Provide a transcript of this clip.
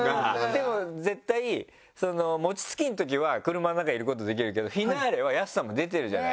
でも絶対餅つきのときは車の中にいることできるけどフィナーレはＹＡＳＵさんも出てるじゃないですか。